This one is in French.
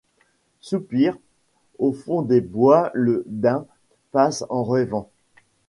Soupire ; au fond des bois le daim passe en rêvant ;